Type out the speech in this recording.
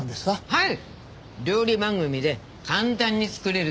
はい？